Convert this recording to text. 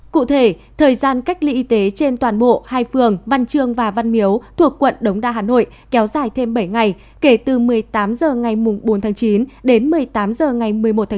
cụ thể thời gian cách ly y tế trên toàn bộ hai phường văn trường và văn miếu thuộc quận đống đa hà nội kéo dài thêm bảy ngày kể từ một mươi tám h ngày bốn chín đến một mươi tám h ngày một mươi một chín